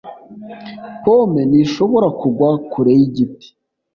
pome ntishobora kugwa kure yigiti